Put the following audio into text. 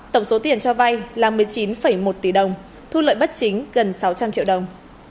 tổng số tiền cho vay là một mươi chín một tỷ đồng thu lợi bất chính gần sáu trăm linh triệu đồng